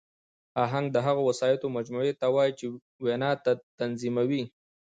آهنګ د هغو وسایطو مجموعې ته وایي، چي وینا تنظیموي.